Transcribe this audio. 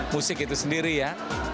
musik itu sendiri ya